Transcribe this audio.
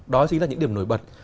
đó chính là những điểm nổi bật